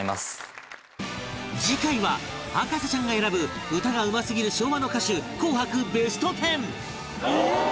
次回は博士ちゃんが選ぶ歌がうますぎる昭和の歌手紅白ベスト１０ええー！